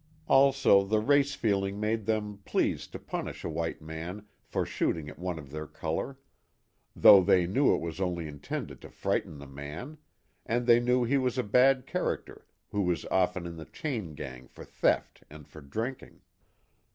Also the race feeling made them pleased to 150 THE HAT OF THE POSTMASTER. punish a white man for shooting at one of their color, though they knew it was only intended to frighten the man, and they knew he was a bad character who was often in the chain gang for theft and for drinking.